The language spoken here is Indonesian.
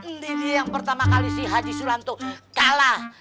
ini dia yang pertama kali si haji sulanto kalah